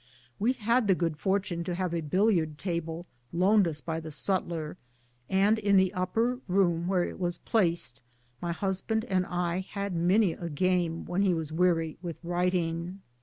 We had the good fortune to have a billiard table loaned us by the sutler, and in the upper room where it was placed, my husband and I had many a game when he was weary with writing.